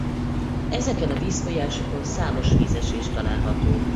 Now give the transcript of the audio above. Ezeken a vízfolyásokon számos vízesés található.